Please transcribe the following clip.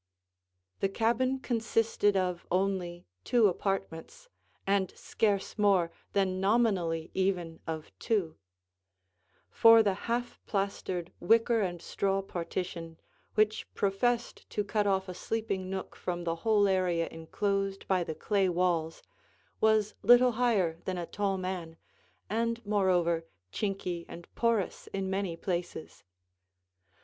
The cabin consisted of only two apartments, and scarce more than nominally even of two; for the half plastered wicker and straw partition, which professed to cut off a sleeping nook from the whole area inclosed by the clay walls, was little higher than a tall man, and moreover chinky and porous in many places.